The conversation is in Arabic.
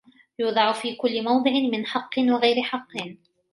يُوضَعَ فِي كُلِّ مَوْضِعٍ مِنْ حَقٍّ وَغَيْرِ حَقٍّ